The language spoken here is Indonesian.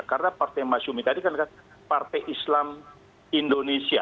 karena partai masyumi tadi kan adalah partai islam indonesia